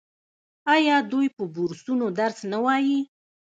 آیا دوی په بورسونو درس نه وايي؟